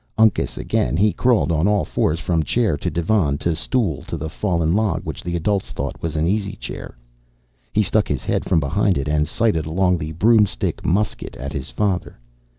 Uncas again, he crawled on all fours from chair to divan to stool to the fallen log which the adults thought was an easy chair. He stuck his head from behind it and sighted along the broomstick musket at his father.